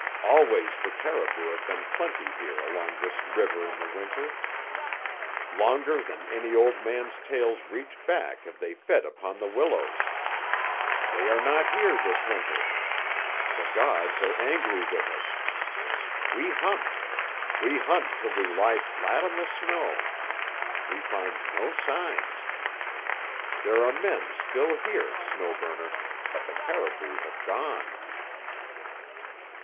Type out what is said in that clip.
Always the caribou have been plenty here along this river in the Winter. Longer than any old man's tales reach back have they fed upon the willows. They are not here this Winter. The gods are angry with us. We hunt. We hunt till we lie flat on the snow. We find no signs. There are men still here, Snow Burner, but the caribou have gone."